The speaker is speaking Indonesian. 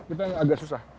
itu agak susah